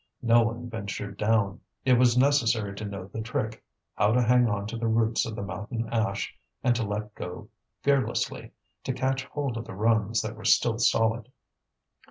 No one ventured down; it was necessary to know the trick how to hang on to the roots of the mountain ash and to let go fearlessly, to catch hold of the rungs that were still solid.